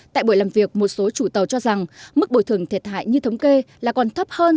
tại buổi làm việc một số chủ tàu cho rằng mức bồi thường thiệt hại như thống kê là còn thấp hơn